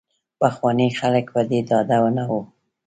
پخواني خلک په دې ډاډه نه وو.